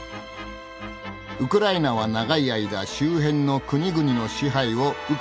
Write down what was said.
ウクライナは長い間周辺の国々の支配を受けてきた